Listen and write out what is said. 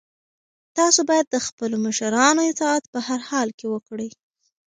تاسو باید د خپلو مشرانو اطاعت په هر حال کې وکړئ.